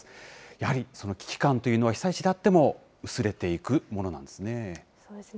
やはり危機感というのは、被災地であっても薄れていくものなんですね。